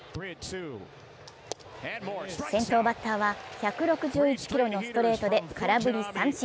先頭バッターは１６１キロのストレートで空振り三振。